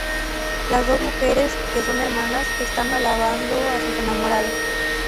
Las dos mujeres, que son hermanas, están alabando a sus enamorados.